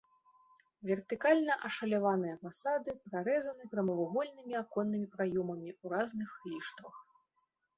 Вертыкальна ашаляваныя фасады прарэзаны прамавугольнымі аконнымі праёмамі ў разных ліштвах.